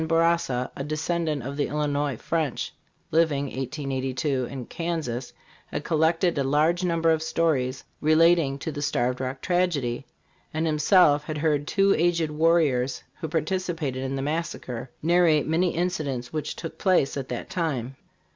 Bourassa, a descendant of the Illinois, French, living (1882) in Kansas, had collected a large number of stories relating to the Starved Rock tragedy; and himself had heard two aged warriors, who participated in the massacre, narrate many incidents which took place at that time.